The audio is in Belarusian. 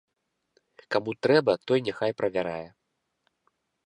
Каму трэба, той няхай правярае.